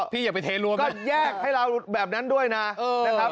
พี่อย่าไปเทรวมนะครับก็แยกให้เราแบบนั้นด้วยนะนะครับ